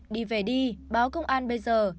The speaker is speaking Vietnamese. đi về đi báo công an bây giờ